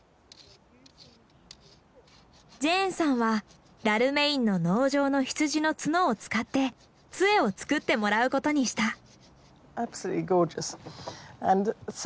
ジェーンさんはダルメインの農場の羊の角を使って杖を作ってもらうことにした。